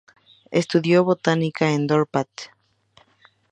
Estudió botánica en Dorpat.